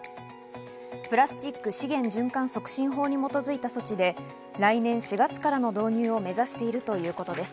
プラスチック資源循環促進法に基づいた措置で、来年４月からの導入を目指しているということです。